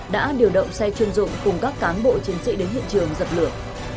đã điều động xe chuyên dụng cùng các cán bộ chiến sĩ đến hiện trường dập lửa